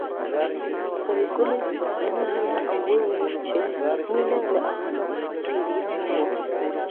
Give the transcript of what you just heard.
پري ګلې نه منله او ويل يې چې مينه له اوله پيريانۍ وه